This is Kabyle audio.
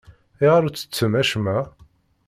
Ayɣer ur ttettem acemma?